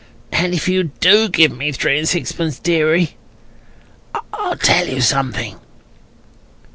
And if you do give me three and sixpence, deary, I'll tell you something."